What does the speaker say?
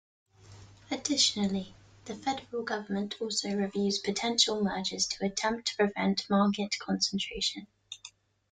Additionally, the federal government also reviews potential mergers to attempt to prevent market concentration.